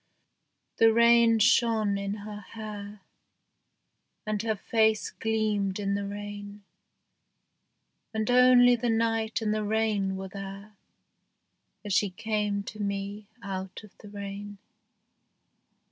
The rain shone in her hair, And her face gleamed in the rain; And only the night and the rain were there As she came to me out of the rain.